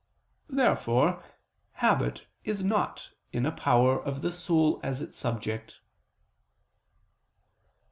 Therefore habit is not in a power of the soul as its subject.